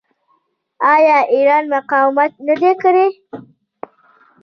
آیا ایران مقاومت نه دی کړی؟